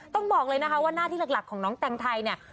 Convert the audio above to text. ต้องบอกเลยนะคะว่าหน้าที่หลักของน้องแต่งไทยเนี่ย